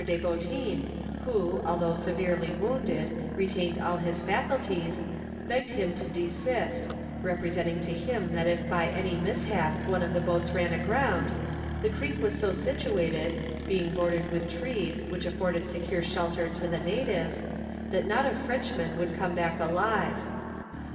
de Boutin, who, although severely wounded, retained all his faculties, begged him to desist, representing to him that if by any mishap one of the boats ran aground, the creek was so situated, being bordered with trees which afforded secure shelter to the natives, that not a Frenchman would come back alive.